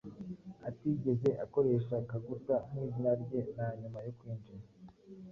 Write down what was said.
atigeze akoresha Kaguta nk’izina rye na nyuma yo kwinjira